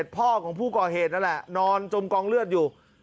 พ่อของผู้ก่อเหตุนั่นแหละนอนจมกองเลือดอยู่